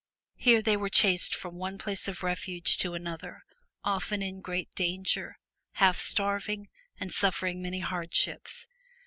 Here they were chased from one place of refuge to another, often in great danger, half starving and suffering many hardships.